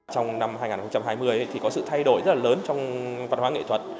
trong năm hai nghìn hai mươi thì có sự thay đổi rất là lớn trong văn hóa nghệ thuật